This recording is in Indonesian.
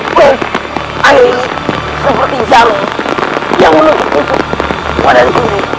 dan air ini seperti jamu yang menutupi suku padaku